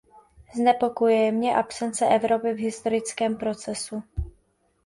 Znepokojuje mě absence Evropy v historickém procesu.